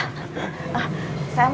saya mau tanya pak